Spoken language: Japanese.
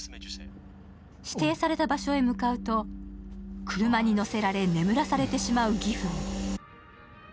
指定された場所へ向かうと車に乗せられ眠らされてしまうギフン。